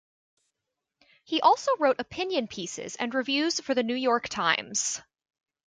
He also wrote opinion pieces and reviews for The New York Times.